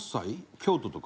京都とか？